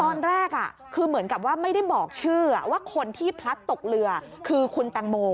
ตอนแรกคือเหมือนกับว่าไม่ได้บอกชื่อว่าคนที่พลัดตกเรือคือคุณแตงโม